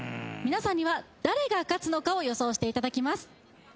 皆さんには誰が勝つのかを予想して頂きます。